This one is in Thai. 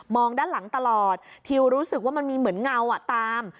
ด้านหลังตลอดทิวรู้สึกว่ามันมีเหมือนเงาตาม